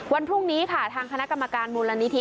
วันพรุ่งนี้ค่ะทางคณะกรรมการมูลนิธิ